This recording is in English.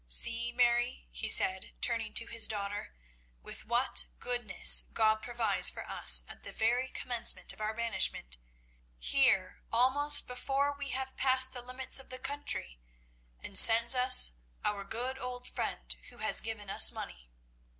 See, Mary," he said, turning to his daughter, "with what goodness God provides for us at the very commencement of our banishment, here almost before we have passed the limits of the country, and sends us our good old friend who has given us money.